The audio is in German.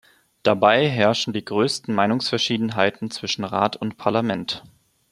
Dabei herrschen die größten Meinungsverschiedenheiten zwischen Rat und Parlament.